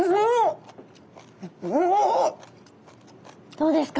どうですか？